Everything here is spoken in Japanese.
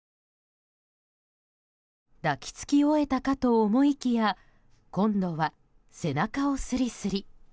抱き着き終えたかと思いきや今度は背中をスリスリ。